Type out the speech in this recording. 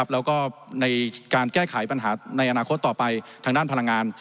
แล้วก็ในการแก้ไขปัญหาในอนาคตต่อไปทางด้านพลังงาน